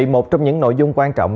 một trong những nội dung quan trọng